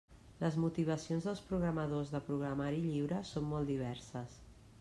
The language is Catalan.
Les motivacions dels programadors de programari lliure són molt diverses.